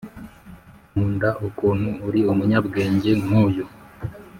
nkunda ukuntu uri umunyabwenge nkuyu